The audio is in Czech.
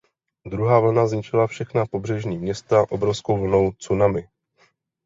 Druhá vlna zničila všechna pobřežní města obrovskou vlnou tsunami.